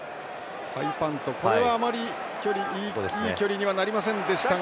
ハイパント、これはあまりいい距離にはなりませんでした。